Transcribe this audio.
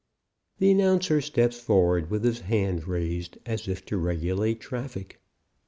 The announcer steps forward with his hand raised as if to regulate traffic.